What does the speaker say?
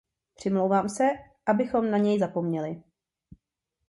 Přimlouvám se, abychom na něj nezapomněli.